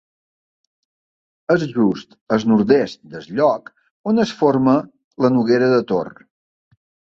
És just al nord-est del lloc on es forma la Noguera de Tor.